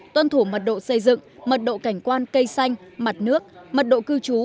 tuân thủ mật độ xây dựng mật độ cảnh quan cây xanh mặt nước mật độ cư trú